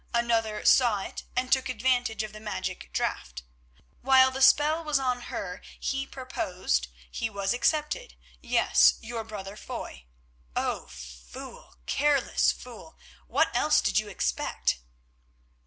Another saw it and took advantage of the magic draught. While the spell was on her he proposed, he was accepted—yes, your brother Foy. Oh! fool, careless fool, what else did you expect?"